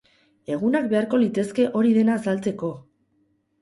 Egunak beharko litezke hori dena azaltzeko!